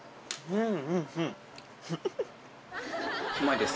うん！